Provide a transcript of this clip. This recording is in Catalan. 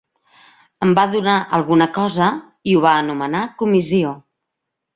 Em va donar alguna cosa i ho va anomenar comissió.